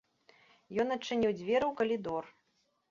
Ён адчыніў дзверы ў калідор.